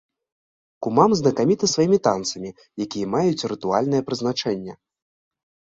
Кумам знакаміты сваімі танцамі, якія маюць рытуальнае прызначэнне.